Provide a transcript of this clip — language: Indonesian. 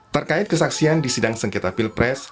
terkait kesaksian di sidang sengketa pilpres